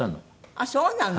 あっそうなの。